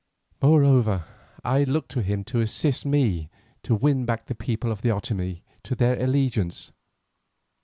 Moreover, I look to him to assist me to win back the people of the Otomie to their allegiance.